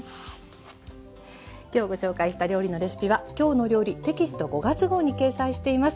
今日ご紹介した料理のレシピは「きょうの料理」テキスト５月号に掲載しています。